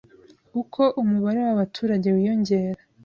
Uko umubare w’abaturage wiyongera